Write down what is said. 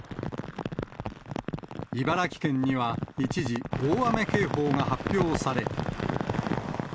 茨城県には一時、大雨警報が発表され。